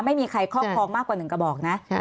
ไม่มีใครครอบครองมากกว่า๑กระบอกนะ